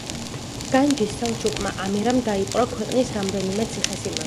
განჯის სელჩუკმა ამირამ დაიპყრო ქვეყნის რამდენიმე ციხესიმაგრე.